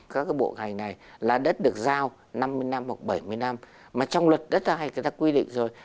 các bộ ngành này là đất được giao năm mươi năm hoặc bảy mươi năm mà trong luật đất hành người ta quy định rồi